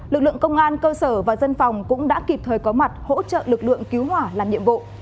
lực lượng công an cơ sở và dân phòng cũng đã kịp thời có mặt hỗ trợ lực lượng cứu hỏa làm nhiệm vụ